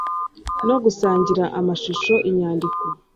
no gusangira amashusho inyandiko